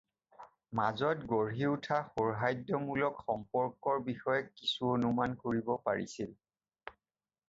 মাজত গঢ়ি উঠা সৌহাৰ্দ্যমূলক সম্পৰ্কৰ বিষয়ে কিছু অনুমান কৰিব পাৰিছিল।